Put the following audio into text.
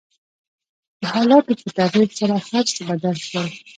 د حالاتو په تغير سره هر څه بدل شول .